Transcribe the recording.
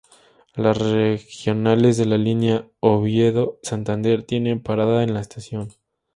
Los regionales de la línea Oviedo-Santander tienen parada en la estación.